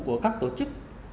của các tổ chức